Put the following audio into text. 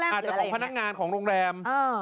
อาจจะของพนักงานของโรงแรม